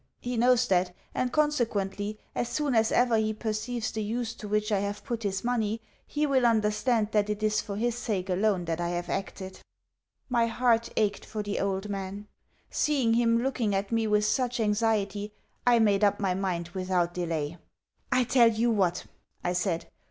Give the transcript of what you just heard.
He knows that, and, consequently, as soon as ever he perceives the use to which I have put his money, he will understand that it is for his sake alone that I have acted." My heart ached for the old man. Seeing him looking at me with such anxiety, I made up my mind without delay. "I tell you what," I said.